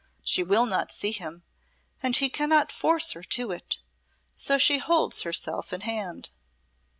She will not see him, and he cannot force her to it, she so holds herself in hand."